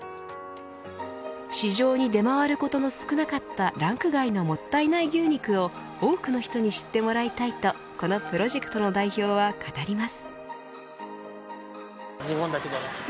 市場に出回ることの少なかったランク外のもったいない牛肉を多くの人に知ってもらいたいとこのプロジェクトの代表は語ります。